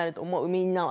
みんなは。